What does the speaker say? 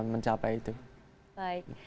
mencapai itu baik